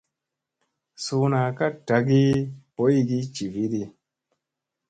Suuna ka ɗaagi boygi jiviɗi.